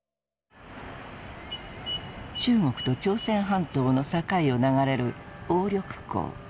中国と朝鮮半島の境を流れる鴨緑江。